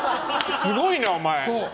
すごいな、お前。